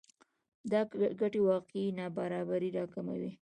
دا ګټې واقعي نابرابری راکموي